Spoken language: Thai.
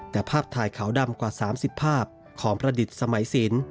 แต่ภาพถ่ายขาวดำกว่า๓๐ภาพของประดิษฐ์สมัยศิลป์